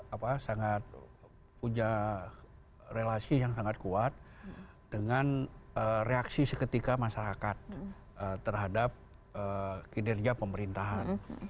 apa sangat punya relasi yang sangat kuat dengan reaksi seketika masyarakat terhadap kinerja pemerintahan